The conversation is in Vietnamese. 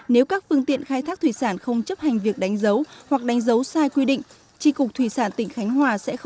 nếu các phương tiện khai thác thủy sản không chấp hành việc đánh dấu hoặc đánh dấu sai quy định